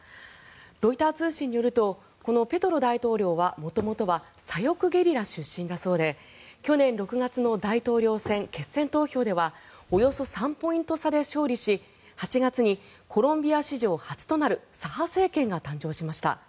ロイター通信によるとこのペトロ大統領は元々は左翼ゲリラ出身だそうで去年６月の大統領選決選投票ではおよそ３ポイント差で勝利し８月にコロンビア史上初となる左派政権が誕生しました。